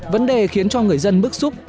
vấn đề khiến cho người dân bức xúc